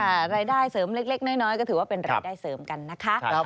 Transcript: อะไรได้เสริมเล็กน้อยก็ถือว่าเป็นอะไรได้เสริมกันนะครับ